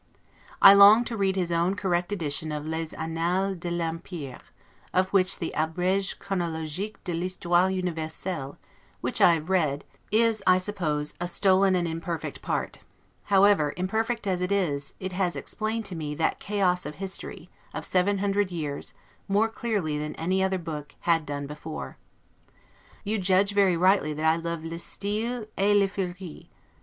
I long to read his own correct edition of 'Les Annales de l'Empire', of which the 'Abrege Chronologique de l'Histoire Universelle', which I have read, is, I suppose, a stolen and imperfect part; however, imperfect as it is, it has explained to me that chaos of history, of seven hundred years more clearly than any other book had done before. You judge very rightly that I love 'le style le r et fleuri'.